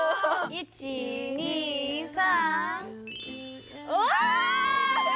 １２３。